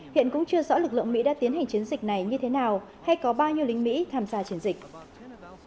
hiện cũng chưa rõ lực lượng mỹ đã tiến hành chiến dịch này như thế nào hay có bao nhiêu lính mỹ tham gia chiến dịch